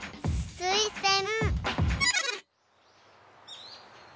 すいせん。